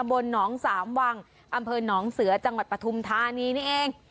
บนหนองสามวังอำเภอหนองเสือจังหวัดปฐุมธานีนี่เอง